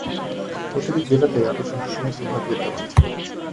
প্রতিটি জেলাতেই আরও প্রশাসনিক বিভাগ বিদ্যমান।